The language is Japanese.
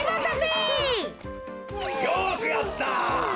よくやった！